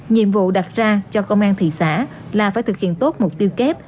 nhiệm vụ đặt ra cho công an thị xã là phải thực hiện tốt mục tiêu kép